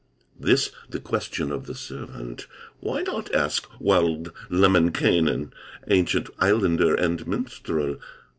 This the question of the servant: "Why not ask wild Lemminkainen, Ancient islander and minstrel?"